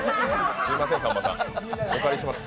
すみません、さんまさんお返しします。